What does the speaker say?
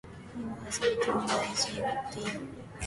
It was written by Gaudio.